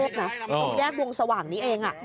ตรงแยกวงสว่างนี้เอง